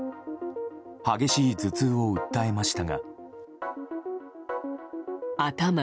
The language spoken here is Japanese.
激しい頭痛を訴えましたが。